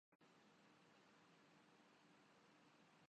یہ نظریاتی رومانویت کا دور تھا۔